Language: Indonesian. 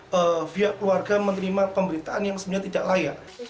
pihak keluarga menerima pemberitaan yang sebenarnya tidak layak